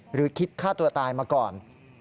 หรือคิดฆ่าตัวตายมาก่อน